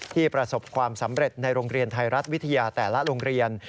ประสบความสำเร็จในโรงเรียนไทยรัฐวิทยาแต่ละโรงเรียน